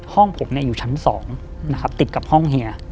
ห้องผมอยู่ชั้น๒นะครับติดกับห้องเฮีย